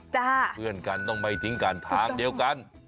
เพื่อนกันต้องไม่ทิ้งกันทางเดียวกัน